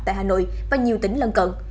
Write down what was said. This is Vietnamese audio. tại hà nội và nhiều tỉnh lân cận